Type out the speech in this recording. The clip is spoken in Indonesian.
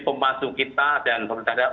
pemasu kita dan pemerintah daerah